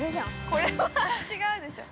◆これは違うでしょ。